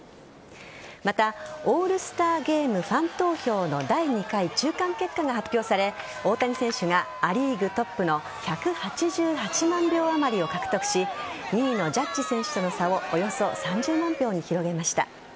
また、オールスターゲームファン投票の第２回中間結果が発表され大谷選手が、ア・リーグトップの１８８万票あまりを獲得し２位のジャッジ選手との差をおよそ３０万票に広げました。